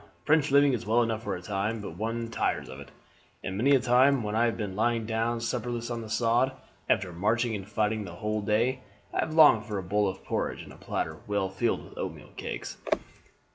French living is well enough for a time, but one tires of it; and many a time when I have been lying down supperless on the sod, after marching and fighting the whole day, I have longed for a bowl of porridge and a platter well filled with oatmeal cakes."